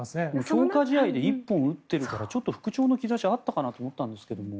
強化試合で１本打っているから復調の兆しがあったかなと思ったんですが。